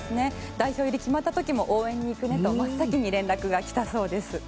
代表入りが決まった時も応援に行くねと真っ先に連絡が来たそうです。